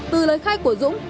từ lời khai của dũng